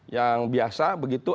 yang biasa begitu